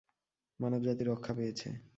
মানবজাতি রক্ষা পেয়েছে।